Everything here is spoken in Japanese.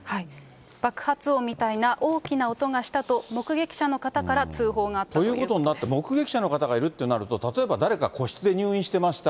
爆発音みたいな大きな音がしたと、目撃者の方から通報があったということです。ということになって、目撃者の方がいるってなると、例えば誰か個室で入院してました。